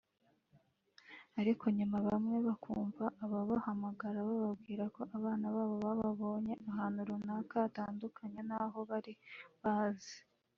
ariko nyuma bamwe bakumva ababahamagara bababwira ko abana babo bababonye ahantu runaka hatandukanye n’aho bari bazi